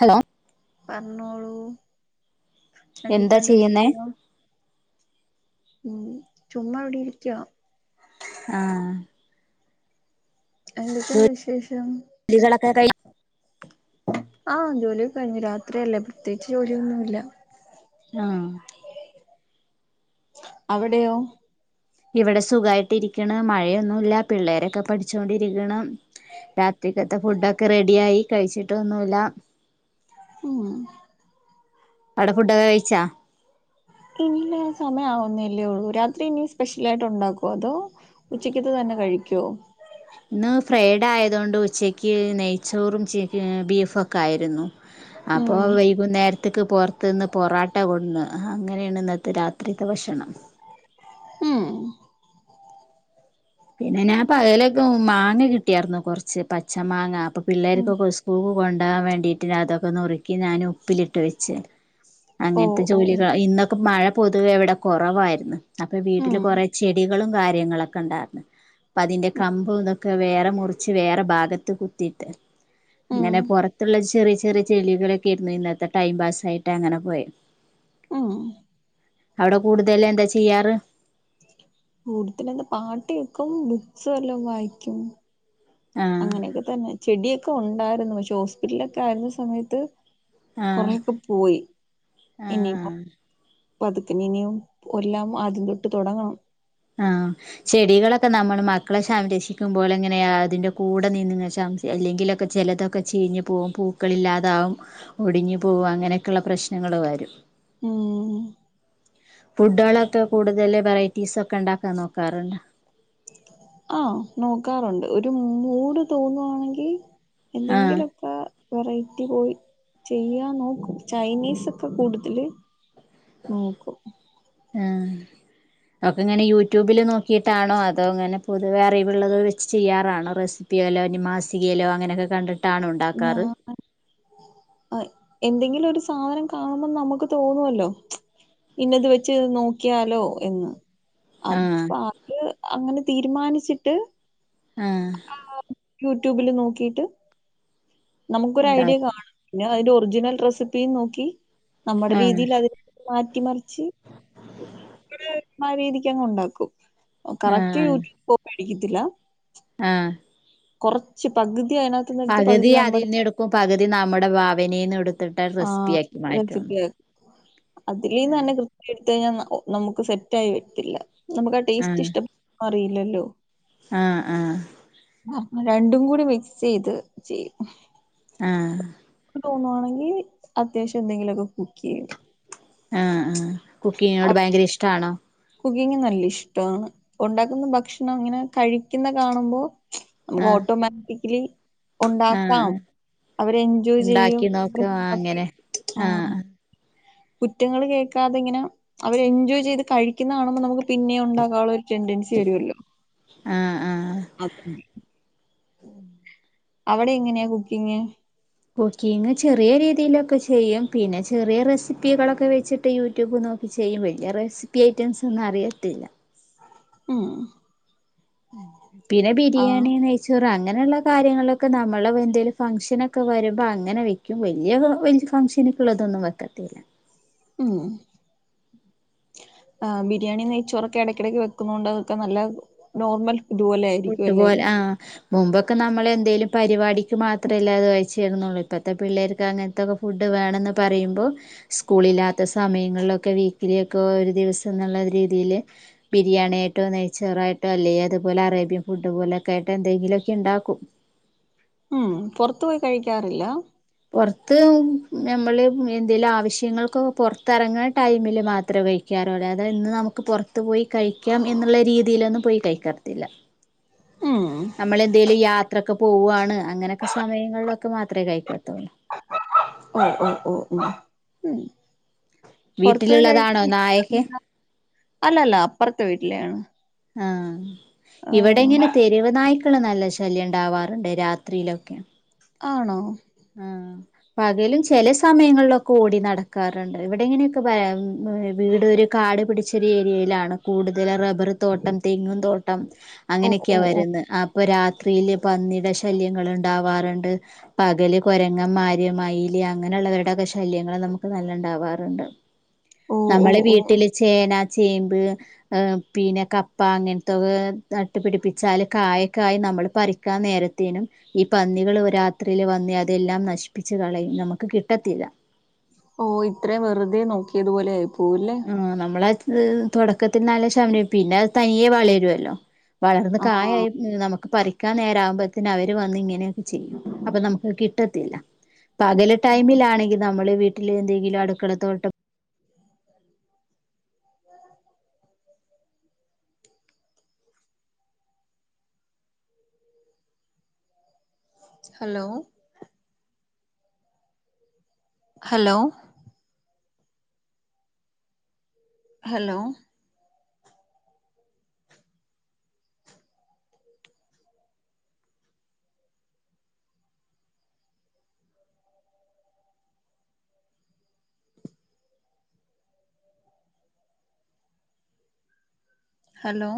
Hello പറഞ്ഞോളൂ എന്താ എന്തൊക്കെയുണ്ട് ചെയ്യുന്നേ വിശേഷം? ഉം ചുമ്മാ ഇവിടെ ഇരിക്കുവാ ആഹ് എന്തൊക്കെയുണ്ട് വിശേഷം? ജോലികളൊക്കെ കഴി ആഹ് ജോലിയൊക്ക കഴിഞ്ഞു, രാത്രിയല്ലേ പ്രത്യേകിച്ച് ജോലിയൊന്നുല്ല. ആഹ് അവിടെയോ? ഇവിടെ സുഖായിട്ട് ഇരിക്കണ് മഴയൊന്നുല്ല പിള്ളേരൊക്കെ പഠിച്ചോണ്ടിരിക്കണ്. രാത്രിക്കത്തെ ഫുഡൊക്കെ റെഡി ആയി കഴിച്ചിട്ടൊന്നുല്ല. ഉം അവിടെ ഫുഡൊക്കെ കഴിച്ചാ? ഇല്ല സമയം ആവുന്നല്ലേ ഒള്ളൂ രാത്രി ഇനി സ്പെഷ്യലായിട്ട് ഒണ്ടാക്കോ അതോ ഉച്ചക്കത്തെ തന്നെ കഴിക്കോ? ഇന്ന് ഫ്രൈഡ് ആയതോണ്ട് ഉച്ചക്ക് നെയ്ച്ചോറും ചിക്ക് ബീഫും ഒക്കെ ആയിരുന്നു ഉം അപ്പോ വൈകുന്നേരത്തേക്ക് പൊറത്തു നിന്ന് പൊറോട്ട കൊടുന്ന് അഹ് അങ്ങനെയാണ് ഇന്നത്തെ രാത്രിയത്തെ ഭക്ഷണം ഉം പിന്നെ ഞാൻ പകലൊക്കെ മാങ്ങ കിട്ടിയാർന്നു കൊറച്ച് പച്ച മാങ്ങ അപ്പൊ ഉം പിള്ളേര്ക്കൊക്കെ സ്കൂൾക്ക് കൊണ്ടോകാൻ വേണ്ടിട്ട് അതൊക്കെ നുറുക്കി ഞാന് ഉപ്പിലിട്ട് വെച്ച്. ഓ അങ്ങൻത്തെ ഓ ജോലികളാ ഇന്നൊക്കെ മഴ പൊതുവേ ഇവടെ കൊറവാര്ന്ന് അപ്പൊ ഉം വീട്ടില് കൊറെ ചെടികളും കാര്യങ്ങളൊക്കെ ഉണ്ടാര്ന്ന് ഇപ്പതിന്റെ കമ്പും ഇതൊക്കെ വേറെ മുറിച്ച് വേറെ ഭാഗത്ത് കുത്തിയിട്ട് ഉം ഇങ്ങനെ പൊറത്ത്ള്ള ചെറിയ ചെറിയ ചെളികളൊക്കേരുന്നു ഇന്നത്തെ ടൈം പാസായിട്ട് അങ്ങനെ പോയെ ഉം അവടെ കൂടുതലെന്താ ചെയ്യാറ് കൂട്തലെന്താ പാട്ടേക്കും ബുക്സ് വല്ലോം വായിക്കും ആഹ് അങ്ങനെയൊക്കെ തന്നെ ചെടിയൊക്കെ ഒണ്ടാരുന്നു പക്ഷേ ഹോസ്പിറ്റലൊക്കാരുന്ന സമയത്ത് ആഹ് കൊറേക്കെ പോയി ആഹ് ഇനിപ്പം ആഹ് പതുക്കനെ ഇനിയും ഒല്ലാം ആദ്യം തൊട്ട് തൊടങ്ങണം ആഹ് ചെടികളൊക്കെ നമ്മള് മക്കളെ ഷംരക്ഷിക്കുമ്പോലങ്ങനെയാ അ അതിന്റെ കൂടെ നിന്ന്ങ്ങനെ ഷം [unintelligible] അല്ലെങ്കിലൊക്ക ചെലതൊക്ക ചീഞ്ഞ് പോവും പൂക്കള് ഇല്ലാതാവും ഒടിഞ്ഞ് പോവും അങ്ങനെക്കെള്ള പ്രശ് നങ്ങള് വരും ഉം ഫുഡളൊക്കെ കൂടുതല് വെറൈറ്റീസൊക്ക ഇണ്ടാക്കാ നോക്കാറ്ണ്ടോ ആഹ് നോക്കാറുണ്ട് ഒരു മൂഡ് തോന്നുവാണെങ്കി ആഹ് എന്തെങ്കിലൊക്ക വെറൈറ്റി പോയി ചെയ്യാ നോക്കും ചൈനീസൊക്കെ കൂടുതല് നോക്കും ആഹ് അവൊക്കെങ്ങനെ യൂട്യൂബില് നോക്കിട്ടാണോ അതോ ഇങ്ങനെ പൊതുവേ അറിവ്ള്ളത് വെച്ച് ചെയ്യാറാണോ റെസി പ്പിയേലൊ ഞ്ഞ് മാസികേലോ അങ്ങനെക്കെ കണ്ട് ഞാൻ [unintelligible] അയ് എന്തെങ്കിലൊ ഒരു സാധനം കാണുമ്പോ നമ്മക്ക് തോന്നുവല്ലോ ഇന്നത് വെച്ച് നോക്കിയാലോ എന്ന് അത് ആഹ് അര് അങ്ങനെ തീരുമാനിച്ചിട്ട് ആഹ് യുട്യൂബില് നോക്കിട്ട്. നമുക്കൊരു ഐഡിയ ഉണ്ടാക്കും കാണും പിന്നെ അതിന്റെ ഒറിജിനൽ റെസിപ്പീ നോക്കി നമ്മുടെ ആഹ് രീതിയിൽ അതി മാറ്റി മറിച്ച് ആ രീതിക്ക് അങ്ങ് ഉണ്ടാക്കും. കറക്റ്റ് ആഹ് യൂട്യൂബ കോപ്പി അടിക്കത്തില്ല. ആഹ് കുറച്ച് പകുതി അതിനകത്തിന്നടത്ത് പകു ഇതി അതിന്ന് എടുക്കും പകുതി നമ്മുടെ ഭാവനെന്ന് ടുക്കും. ആഹ റെസി അതിൽന്ന് തന്നെ കൃത്യ എടുത്ത് കഴിഞ്ഞാ നമുക്ക് സെറ്റയരും. ല്ല നമുക്ക് ആ ടേസ്റ്റ് ആഹ് ഇഷ്ടപ്പെ അറില്ലല്ലോ. ആഹ് ആഹ് രണ്ടും കൂടി മിക്സ് ചെയ്ത് ചെയ്യും. ആഹ് തോന്നുവാണെങ്കിൽ അത്യാവശ്യം എന്തെങ്കിലുലൊക്കെ കുക്ക്യ്യും. ആഹ് ആഹ് കുക്കിങ്ങിനോട് ഭയങ്കര ഇഷ്ടണോ കുക്കിങ് നല്ല ഇഷ്ട്ടാണ് ഉണ്ടാക്കുന്ന ഭക്ഷണം അങ്ങനെ കഴിക്കുന്ന കാണുമ്പോ ആഹ് ഓട്ടോമാറ്റിക്കലി ആഹ് ഉണ്ടാക്കാം. ആഹ് അവരെ എൻജോയ് ചെയ്യും ഉണ്ടാക്കി നോക്ക് ആഹ് അങ്ങനെ ആഹ് കുറ്റങ്ങള് കേൾക്കാതെ ഇങ്ങനെ അവര് എൻജോയ് ചെയ്ത് കഴിക്കുന്നകാണുമ്പോ നമുക്ക് പിന്നെ ഉണ്ടാക്കാളൊലൊരു. ടെണ്ടൻസി വരുല്ലോ ആഹ് ആഹ് അതന്നെ അവിടെ എങ്ങനെയാ കുക്കിങ്? കുക്കിങ് ചെറിയ രീതിലൊക്കെ ചെയ്യും പിന്നെ ചെറിയ റെസിപ്പികളൊക്കെ വെച്ചിട്ട് യൂട്യൂബ് നോ നോക്കി ചെയ്യും വല്ല്യ റെസിപ്പി ഐറ്റംസ് ഒന്നും അറിയത്തില്ല. ഉം. പിന്നെ ആ ബിരിയാണി നെയ്ച്ചോറ് അങ്ങ ങ്ങനെ ഇള്ള കാര്യങ്ങളിലൊക്കെ നമ്മളെ എന്തെലും ഫംഗ്ഷനൊക്കെ വെരുമ്പോ അങ്ങനെ വെക്കും വെല്ല്യ വെ ഫംഗ്ഷെൻ ന്ക്ക് ഇള്ളതൊന്നും വെക്കത്തില്ല. ഉം. ആഹ് ബിരിയാണി നെയ്ച്ചോറൊക്കെ എടെക്ക് എടെക്ക് വെക്ക്ണോണ്ട് ഒക്കെ നല്ല നോർമെൽ ഫുഡ്പോലെ ആഹ് മുമ്പൊക്കെ നമ്മെൾ എന്തെലും പരിപാടിക്ക് മാത്രം അല്ലെ അയ് കയ്ച്ചിര്ന്നൊള്ളു ഇപ്പത്തെ പിള്ളേർക്ക് അങ്ങൻത്തൊക്കെ ഫുഡ് വേണംന്ന് പറിയിമ്പോ സ്കൂൾ ഇല്ലാത്ത സമയങ്ങളിലൊക്കെ വീക്ക്ലി ഒക്കെ ഒരു ദിവ്സംന്ന് ഇള്ള രീ തിയിൽ ബിരിയാണി ആയിട്ടോ നെയ്ച്ചോറ് ആയിട്ടോ അല്ലെയ് അത് പോലെ അറെ ബ്യൻ ഫുഡ് പോലൊക്കെ ആയിട്ട് എന്തെങ്കിലും ഒക്കെ ഇണ്ടാക്കും. ക്ക്യാറ് ഇല്ലാ? പൊർത്ത് ഞമ്മെൾ എന്തെലും ആവശ്യങ്ങെൾക്ക് ഒക്കെ പൊർത്ത് എറങ്ങ്ണ ടൈമിൽ മാത്രേ ഴിക്കാറ് അല്ലാതെ ഇന്ന് നമുക്ക് പൊർത്ത് പോയി കഴിക്കാം എന്ന് ഇള്ള രീതിയിലൊന്നും പോയി കഴിക്കാത്തില്ല. ഉം നമ്മെൾ എന്തെലും യാത്ര ഒക്കെ പോവാണ് അങ്ങനൊക്കെ സമയങ്ങളിലൊക്കെ മാത്രേ കഴിക്കത്തൊള്ളു ഓ ഓ ഓ ഉം ഉം പൊർത്തോയി കഴി വീട്ടിലുള്ളതാണോ നായൊക്കെ [unintelligible] അല്ല അല്ല അപ്പെർത്തെ വീട്ടിലെ ആണ്. ആഹ് ഇവെടെ ഇങ്ങനെ തെര്‌വ് നായ് ക്കെൾ നല്ല ശല്ല്യം ഇണ്ടാവാറ് ഇണ്ട് രാത്രിയിലൊക്കെ. ആണോ? ആഹ് പകെലും ചെലെ സമയങ്ങെളിലൊക്കെ ഓടി നടക്കാറ് ഇണ്ട് ഇവ്ടെ ഇങ്ങനെയൊക്കെ ഭയ വീട് ഒര് കാട് പിടിച്ചൊര് ഏരിയയിലാണ് കൂട്തെൽ റബ്ബ് ബ്ബെർ തോട്ടം തെങ്ങും തോട്ടം ഓ അങ്ങനെ ഒക്കെയാ ഓ ഓ വരുന്നെ അ പ്പ രാത്രിയിൽ പന്നിടെ ശല്ല്യങ്ങെൾ ഇണ്ടാവാർ ഇണ്ട് പകെൽ കൊരങ്ങമാര്, മയില് അങ്ങനെയുള്ളവരുടെയൊക്കെ ശല്യങ്ങള് നമുക്ക് നല്ലണ്ടാവാറ്ണ്ട്. ഓ നമ്മള് ഓ ഓ വീട്ടില് ചേന ചേമ്പ് പിന്നെ കപ്പ അങ്ങൻത്തൊക്കെ നട്ടു പിടിപ്പിച്ചാല് കായക്കെ ആയി മ്മള് പറിക്കാൻ നേരത്തേനും ഈ പന്നികള് രാത്രില് വന്നേ അതെല്ലാം നശിപ്പിച്ച് കളയും. നമക്ക് കിട്ടത്തില്ല. ഓഹ് ഇത്രയും വെറ്തെ നോക്കിയതുപോലെ ആയി. പോവുല്ലേ ആഹ് നമ്മള തൊടക്കത്തിൽ നല്ല [unintelligible] പിന്നെ തനിയെ വളരൊല്ലോ. വളർന്ന് ആഹ് കായായി നമുക്ക് പറി ക്കാൻ നേര ആവ്മ്പോത്തന് അവര് വന്ന് ഇങ്ങനെയൊക്കെ ചെയ്യും. അപ്പ നമുക്ക് കിട്ടത്തില്ല. പകല് ടൈമിലാണെങ്കി നമ്മള് വീട്ടില് എന്തെങ്കിലും അടുക്കളത്തോട്ടം ഹലോ. Hello hello hello